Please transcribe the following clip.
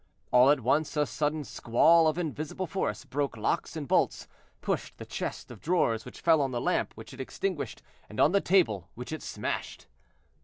All at once a sudden squall of invincible force broke locks and bolts—pushed the chest of drawers, which fell on the lamp, which it extinguished, and on the table, which it smashed.